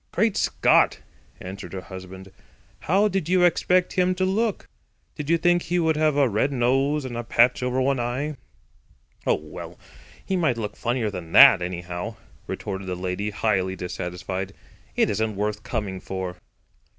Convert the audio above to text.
"Great Scott!" answered her husband. "How did you expect him to look? Did you think he would have a red nose and a patch over one eye?" "Oh, well, he might look funnier than that, anyhow," retorted the lady, highly dissatisfied. "It isn't worth coming for."